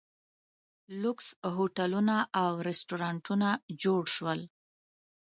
لوکس هوټلونه او ریسټورانټونه جوړ شول.